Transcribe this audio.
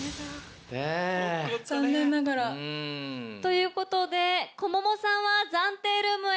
残念ながら。ということでＫｏｍｏｍｏさんは暫定ルームへどうぞ。